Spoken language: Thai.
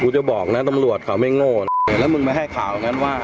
จะบอกนะตำรวจเขาไม่โง่แล้วมึงมาให้ข่าวอย่างนั้นว่า